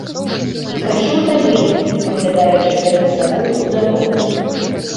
І пайшоў далей, паглядаючы перад сабой у дарогу.